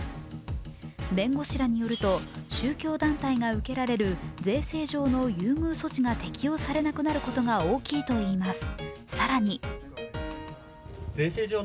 弁護士らによると、宗教団体が受けられる税制上の優遇措置が適用されなくなることが大きいといいます。